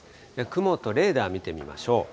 雲とレーダー見てみましょう。